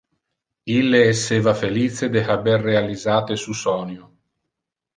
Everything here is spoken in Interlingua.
Ille esseva felice de haber realisate su sonio.